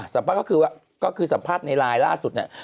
สัมภาษณ์ก็คือว่าก็คือสัมภาษณ์ในไลน์ล่าสุดเนี่ย